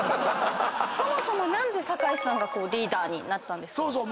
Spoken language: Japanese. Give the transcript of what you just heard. そもそも何で酒井さんがリーダーになったんですか？